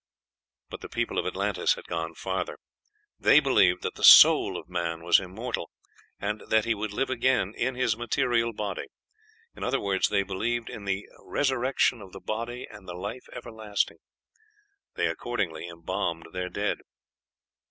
But the people of Atlantis had gone farther; they believed that the soul of man was immortal, and that he would live again in his material body; in other words, they believed in "the resurrection of the body and the life everlasting." They accordingly embalmed their dead.